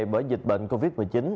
bởi dịch bệnh covid một mươi chín